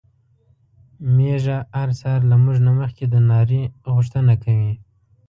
ميښه هر سهار له موږ نه مخکې د ناري غوښتنه کوي.